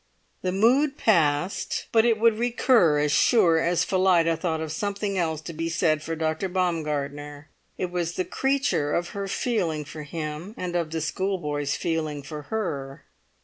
The mood passed, but it would recur as sure as Phillida thought of something else to be said for Dr. Baumgartner; it was the creature of her feeling for him, and of the schoolboy's feeling for her.